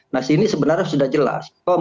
nah sini sebenarnya sudah jelas